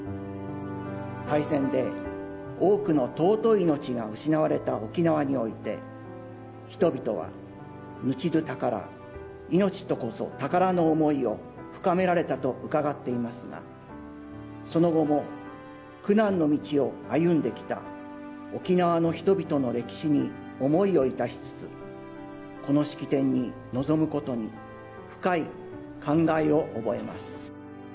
大戦で多くの尊い命が失われた沖縄において、人々は、ぬちどぅ宝、命こそ宝の思いを深められたと伺っていますが、その後も苦難の道を歩んできた沖縄の人々の歴史に思いを致しつつ、この式典に臨むことに深い感慨を覚えます。